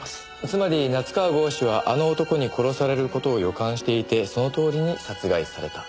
つまり夏河郷士は「あの男」に殺される事を予感していてそのとおりに殺害された。